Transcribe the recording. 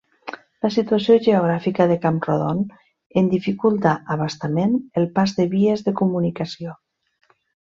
La situació geogràfica de Camprodon en dificulta a bastament el pas de vies de comunicació.